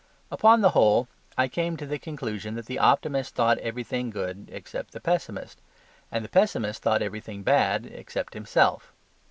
Upon the whole, I came to the conclusion that the optimist thought everything good except the pessimist, and that the pessimist thought everything bad, except himself.